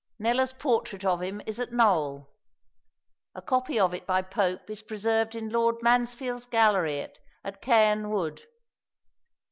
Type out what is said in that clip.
Kneller's portrait of him is at Knowle; A copy of it by Pope is preserved in Lord Mansfield's gallery at Caen Wood.